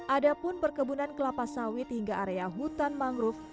ada pun perkebunan kelapa sawit hingga area hutan mangrove